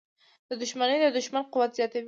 • دښمني د دوښمن قوت زیاتوي.